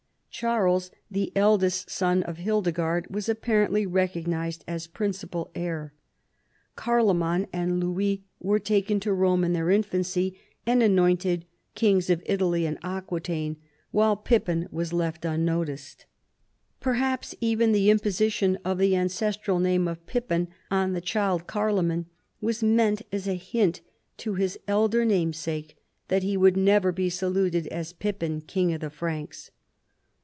Charles, the eldest son of Hildegard, was apparently recognized as principal heir. Carloman and Louis * See D. 160. REVOLTS AND CONSPIRACIES. 185 were taken to Eome in their infancy and anointed Kings of Italy and Aquitaine, while Pippin was left unnoticed. Perhaps even the imposition of the an cestral name of Pippin on tlie child Carloman was meant as a hint to his elder namesake that he would never be saluted as Pippin, King of the Franks.